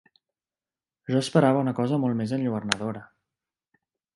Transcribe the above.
Jo esperava una cosa molt més enlluernadora.